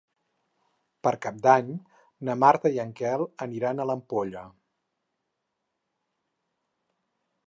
Per Cap d'Any na Marta i en Quel aniran a l'Ampolla.